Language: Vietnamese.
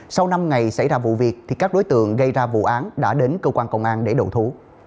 sau năm ngày xảy ra vụ việc thì các đối tượng gây ra vụ án đã đến cơ quan công an để đầu thú